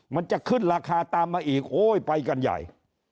มันจะขึ้นราคาตามมาอีกโอ้ยไปกันใหญ่